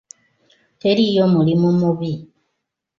Teriiyo mulimu mubi.